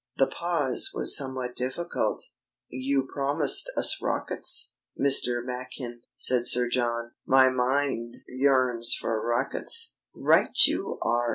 The pause was somewhat difficult. "You promised us rockets, Mr. Machin," said Sir John. "My mind yearns for rockets." "Right you are!"